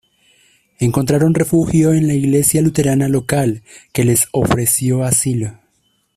Encontraron refugio en la Iglesia luterana local que les ofreció asilo.